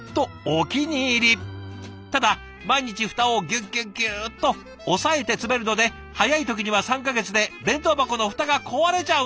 ただ毎日蓋をギュッギュッギューッと押さえて詰めるので早い時には３か月で弁当箱の蓋が壊れちゃうんだとか！